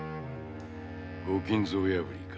ご金蔵破りか。